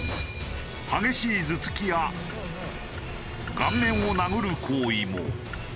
激しい頭突きや顔面を殴る行為も。